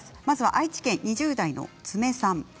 愛知県２０代の方からです。